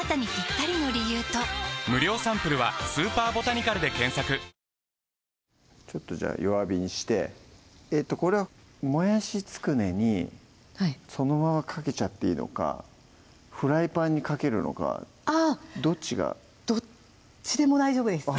特に何かやってきたわけじゃないのにもうできてますねちょっとじゃあ弱火にしてこれはもやしつくねにそのままかけちゃっていいのかフライパンにかけるのかどっちがどっちでも大丈夫です